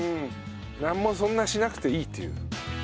なんもそんなしなくていいっていう。